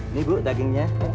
ini bu dagingnya